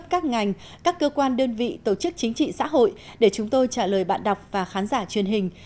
các ngành các cơ quan đơn vị tổ chức chính trị xã hội để chúng tôi trả lời bạn đọc và khán giả truyền hình